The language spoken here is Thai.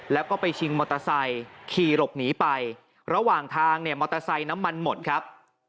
แล้วก็ไปชิงมอเตอร์ไซค์ขี่หลบหนีไประหว่างทางเนี่ยมอเตอร์ไซค์น้ำมันหมดครับ